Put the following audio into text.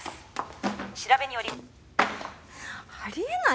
「調べにより」あり得ない！